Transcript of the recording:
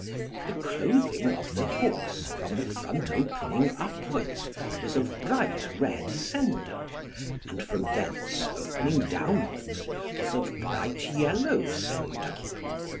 The clothing of the horse from the front opening upwards was of bright red sendal, and from thence opening downwards was of bright yellow sendal.